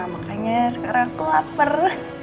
makanya sekarang aku lapar